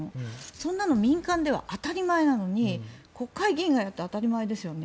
そんなの民間では当たり前なのに国会議員だって当たり前ですよね。